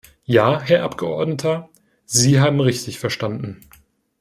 Ja, Herr Abgeordneter, Sie haben richtig verstanden.